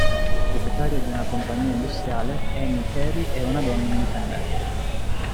Proprietaria di una compagnia industriale, Amy Cary è una donna indipendente.